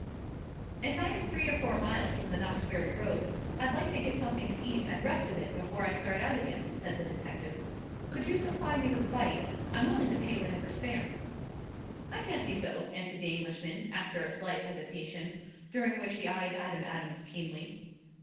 "If I am three or four miles from the Knoxbury road I'd like to get something to eat and rest a bit before I start out again," said the detective. "Could you supply me with a bite? I'm willing to pay whatever's fair." "I fancy so," answered the Englishman, after a slight hesitation, during which he eyed Adam Adams keenly.